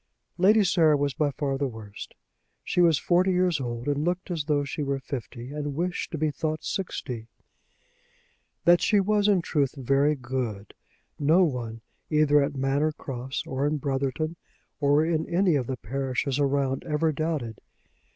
Lady Sarah was by far the worst. She was forty years old, and looked as though she were fifty and wished to be thought sixty. That she was, in truth, very good, no one either at Manor Cross or in Brotherton or any of the parishes around ever doubted.